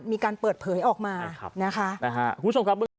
มีการเปิดเผยออกมาครับนะคะนะคะคุณผู้ชมครับ